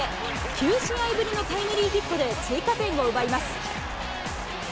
９試合ぶりのタイムリーヒットで追加点を奪います。